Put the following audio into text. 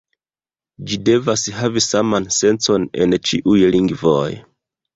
Ĝi devas havi saman sencon en ĉiuj lingvoj.